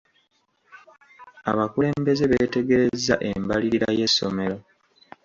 Abakulembeze beetegerezza embalirira y'essomero.